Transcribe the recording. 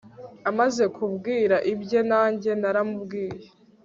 Amaze kumbwira ibye nanjye naramubwiye